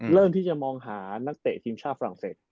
เริ่มที่จะมองหานักเตะทีมชาติฝรั่งเศส